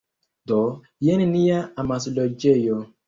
Do, jen nia amasloĝejo